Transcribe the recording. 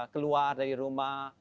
keluar dari rumah